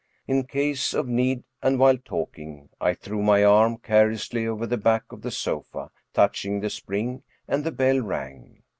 In case of need, and while talking, I threw my arm carelessly over the back of the sofa, touching the spring, and the bell, rang.